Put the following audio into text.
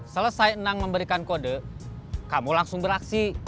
selesai enang memberikan kode kamu langsung beraksi